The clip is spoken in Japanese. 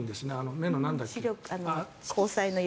目の、なんだっけ。